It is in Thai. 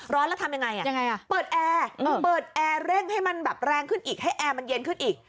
ร้อนแล้วทำยังไงเปิดแอร์เปิดแอร์เร่งให้มันแบบแรงขึ้นอีกให้แอร์มันเย็นขึ้นอีก